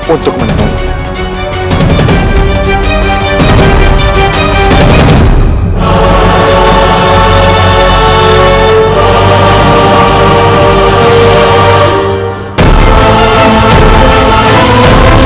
untuk menembuhkan dinda subanglarang